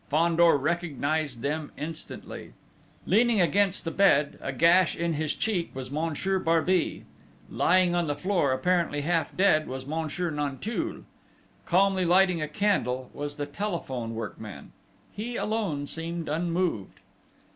Fandor recognised them instantly. Leaning against the bed, a gash in his cheek, was Monsieur Barbey. Lying on the floor, apparently half dead, was Monsieur Nanteuil. Calmly lighting a candle was the telephone workman. He alone seemed unmoved.